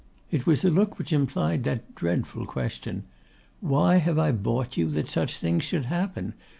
It was a look which implied that dreadful question, 'Why have I bought you that such things should happen?